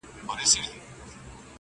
په سلو کي سل توافق موجود وي -